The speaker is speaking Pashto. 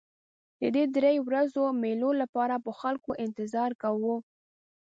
د دې درې ورځو مېلو لپاره به خلکو انتظار کاوه.